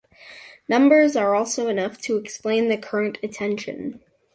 Numbers are also enough to explain the current attention.